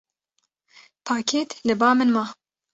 Pakêt li ba min ma.